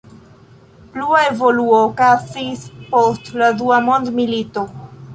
Plua evoluo okazis post la dua mondmilito.